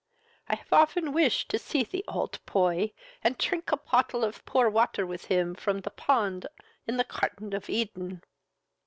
I have often wished to see the old poy, and trink a pottle of pure water with him from the pond in the carten of Eden."